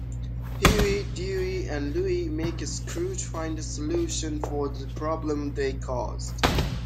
Huey, Dewey and Louie make Scrooge find a solution for the problem they caused.